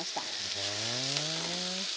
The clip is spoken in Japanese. へえ。